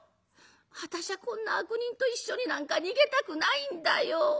あたしゃこんな悪人と一緒になんか逃げたくないんだよ。